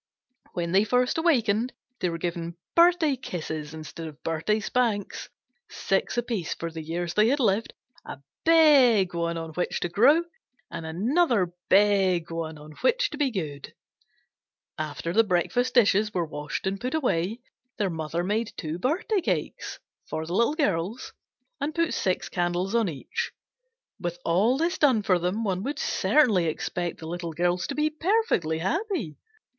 When they first awakened they were given birthday kisses instead of birthday spanks, six apiece for the years they had lived, a big one on which to grow, and another big one on which to be good. After the breakfast dishes were washed and put away, their mother made two birthday cakes for the Little Girls and put six candles on each. With all this done for them, one would certainly expect the Little Girls to be perfectly happy.